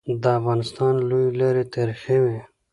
د افغانستان لويي لاري تاریخي وي.